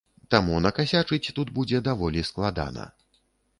Таму накасячыць тут будзе даволі складана.